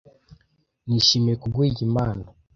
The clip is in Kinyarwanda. nishimiye kuguha iyi mpano